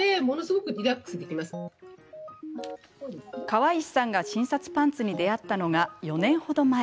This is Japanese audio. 川石さんが診察パンツに出会ったのが４年程前。